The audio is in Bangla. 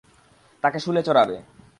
তাঁকে শূলে চড়াবে।